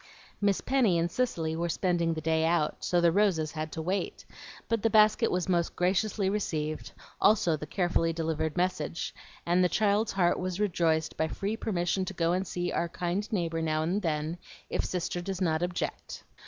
Miss Penny and Cicely were spending the day out, so the roses had to wait; but the basket was most graciously received, also the carefully delivered message, and the child's heart was rejoiced by free permission to go and see "our kind neighbor now and then, if Sister does not object."